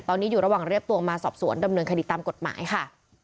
ตอนนี้อยู่ระหว่างเรียบตัวมาสอบสวนดำเนินคดีตามกฎหมายค่ะ